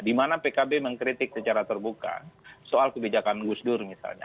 dimana pkb mengkritik secara terbuka soal kebijakan gus dur misalnya